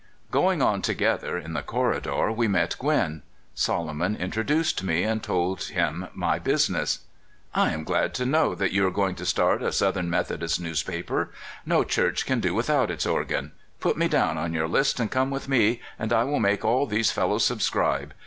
Going on together, in the corridor we met Gwin. Solomon introduced me, and told him my business. " I am glad to know that you are going to start a Southern Methodist newspaper. No Church can do without its organ. Put me down on your list, and come with me, and I will make all these fellows subscribe.